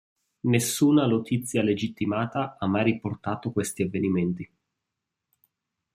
Nessuna notizia legittimata ha mai riportato questi avvenimenti.